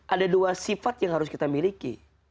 ada dua sifat yang harus kita miliki